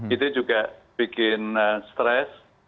itu juga bikin stres